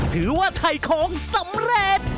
ถือว่าถ่ายของสำเร็จ